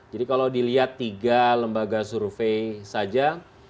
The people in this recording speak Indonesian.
jadi kalau dilihat tiga lembaga survei saja